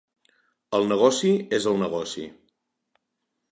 El negoci és el negoci.